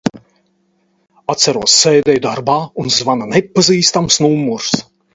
Atceros, sēdēju darbā un zvana nepazīstams numurs.